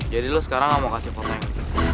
jadi lu sekarang gak mau kasih fotonya